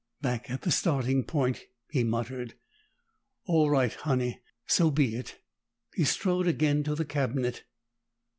"Back at the starting point," he muttered. "All right, Honey. So be it!" He strode again to the cabinet.